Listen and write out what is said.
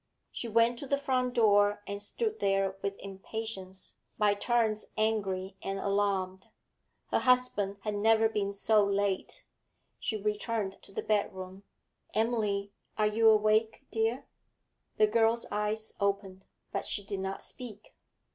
She went to the front door and stood there with impatience, by turns angry and alarmed. Her husband had never been so late. She returned to the bedroom. 'Emily, are you awake, dear?' The girl's eyes opened, but she did not speak.